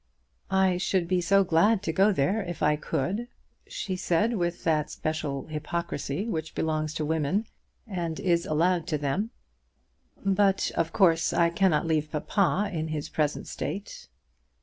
"I should be so glad to go there if I could," she said, with that special hypocrisy which belongs to women, and is allowed to them; "but, of course, I cannot leave papa in his present state."